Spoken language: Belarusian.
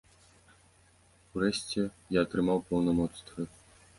Урэшце, я атрымаў паўнамоцтвы.